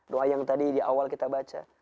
doa yang tadi di awal kita baca